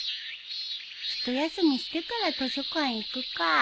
一休みしてから図書館行くか。